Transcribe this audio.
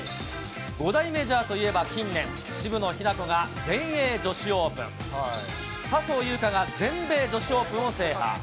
５大メジャーといえば、近年、渋野日向子が全英女子オープン、笹生優花が全米女子オープンを制覇。